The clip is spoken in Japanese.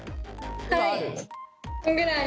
はい。